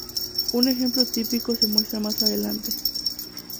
Un ejemplo típico se muestra más adelante.